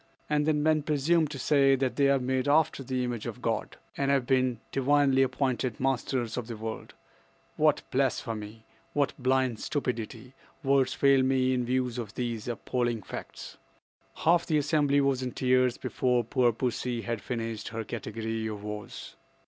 And then men presume to say that they are made after the image of God, and have been divinely appointed masters of the world! What blasphemy! What blind stupidity! Words fail me in view of these appalling facts." Half the assembly was in tears before poor pussy had finished her category of woes.